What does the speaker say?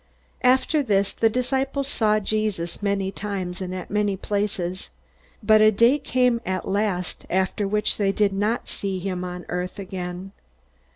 After this the disciples saw Jesus many times and at many places. But a day came at last after which they did not see him on earth again.